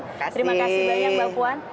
terima kasih banyak mbak puan